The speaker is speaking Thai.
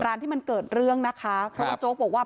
ร้านที่มันเกิดเรื่องนะคะเพราะว่าโจ๊กบอกว่า